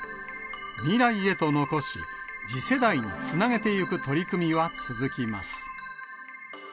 未来へと残し、次世代につなげていく取り組みは続きます。